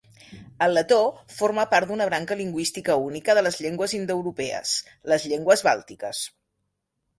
El letó forma part d'una branca lingüística única de les llengües indoeuropees: les llengües bàltiques.